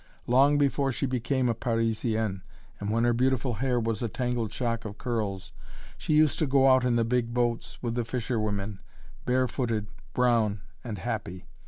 Long before she became a Parisienne, and when her beautiful hair was a tangled shock of curls, she used to go out in the big boats, with the fisherwomen barefooted, brown, and happy.